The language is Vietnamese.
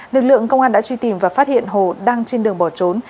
lực lượng công an đã truy tìm và phát hiện hồ đang trên đường bỏ trốn